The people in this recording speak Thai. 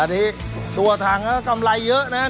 อันนี้ตัวทางกำไรเยอะนะครับ